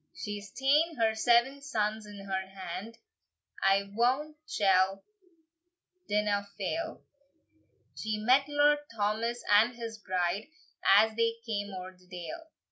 She's taen her seven sons in her hand, I wot she didna fail; She met Lord Thomas and his bride, As they came oer the dale.